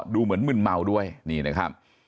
ดูเหมือนมึนเมาด้วยนี่นะครับ